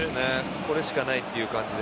これしかないっていう感じで。